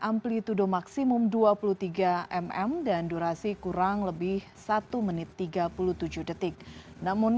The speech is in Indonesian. amplitude maksimum dua puluh tiga mm dan durasi kurang lebih satu menit tiga puluh tujuh detik namun